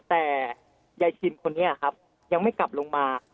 แต่ยายชินคนนี้ครับยังไม่กลับลงมา